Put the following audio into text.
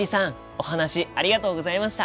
お話ありがとうございました！